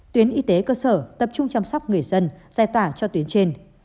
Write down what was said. tuyến y tế cơ sở tập trung chăm sóc người dân giải tỏa cho tuyến trên